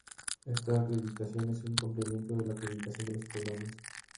Esta acreditación es un complemento de la acreditación de los programas.